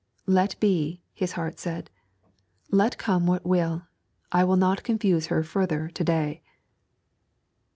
'Let be,' his heart said. 'Let come what will, I will not confuse her further to day.'